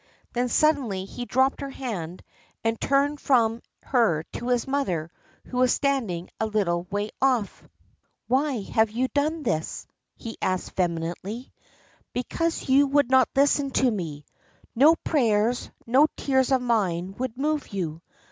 Then suddenly he dropped her hand, and turned from her to his mother, who was standing a little way off. "Why have you done this?" he asked vehemently. "Because you would not listen to me. No prayers, no tears of mine would move you.